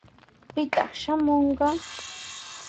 ¿Pitaq shamuykan?